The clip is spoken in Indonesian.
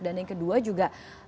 dan yang kedua juga